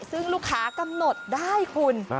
ซึ่งลูกค้ากำหนดได้คุณ